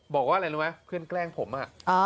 บอกว่าอะไรรู้มั้ยเครื่องแกล้งผมอ่ะ